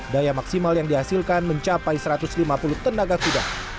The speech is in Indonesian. daya maksimal yang dihasilkan mencapai satu ratus lima puluh tenaga kuda